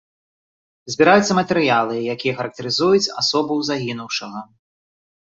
Збіраюцца матэрыялы, якія характарызуюць асобу загінуўшага.